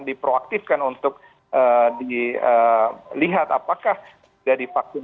diproaktifkan untuk dilihat apakah sudah divaksin